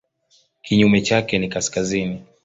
Kinyume chake ni kaskazini.